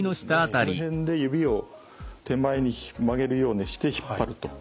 この辺で指を手前に曲げるようにして引っ張ると。